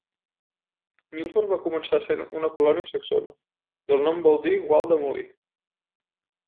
Milford va començar essent una colònia saxona, i el nom vol dir "gual del molí".